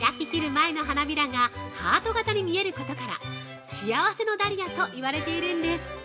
前の花びらがハート型に見えることから幸せのダリアと言われているんです！